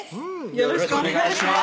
よろしくお願いします